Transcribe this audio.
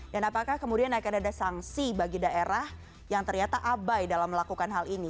dan apakah kemudian akan ada sanksi bagi daerah yang ternyata abai dalam melakukan hal ini